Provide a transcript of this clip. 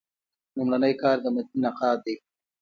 لومړنی کار د متني نقاد دﺉ.